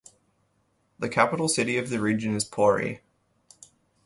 The capital city of the region is Pori.